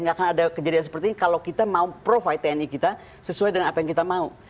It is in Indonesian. nggak akan ada kejadian seperti ini kalau kita mau provide tni kita sesuai dengan apa yang kita mau